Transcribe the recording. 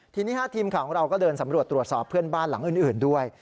ทีนี้ทีมข่าวของเราก็เดินสำรวจตรวจสอบเพื่อนบ้านหลังอื่นด้วย